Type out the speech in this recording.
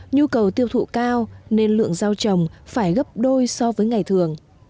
nhu cầu tiêu thụ cao nên lượng dao trồng phải gấp đôi so với ngày thường